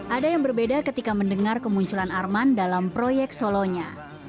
ada yang berbeda ketika mendengar kemunculan arman dalam proyek solonya